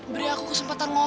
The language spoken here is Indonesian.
beri aku kesempatan ngomong ran